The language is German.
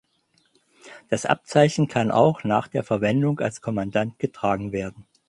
Das Abzeichen kann auch nach der Verwendung als Kommandant getragen werden.